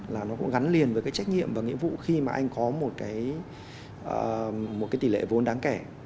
là nó cũng gắn liền với cái trách nhiệm và nghĩa vụ khi mà anh có một cái tỷ lệ vốn đáng kể